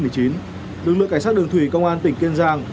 lực lượng cảnh sát đường thủy công an tỉnh kiên giang